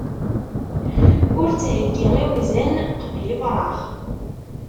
Ur ttheggi iwzan, qbel ifrax.